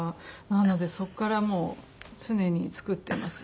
なのでそこからもう常に作ってます。